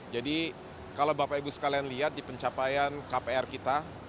jadi kalau bapak ibu sekalian lihat di pencapaian kpr kita